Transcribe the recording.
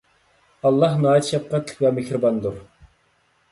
ئاللاھ ناھايتى شەپقەتلىك ۋە مېھرىباندۇر